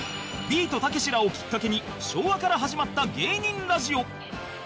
ビートたけしらをきっかけに昭和から始まった芸人ラジオ